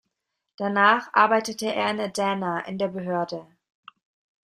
Danach arbeitete er in Adana in der Behörde.